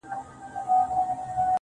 • پاڅه چي ځو ترې ، ه ياره.